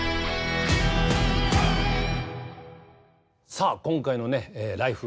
さあ今回のね「ＬＩＦＥ！